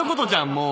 もう。